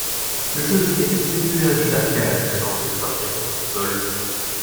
Le jeu était au début un jeu d'arcade avant de sortir sur consoles.